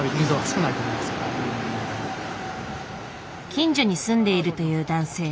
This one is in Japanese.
近所に住んでいるという男性。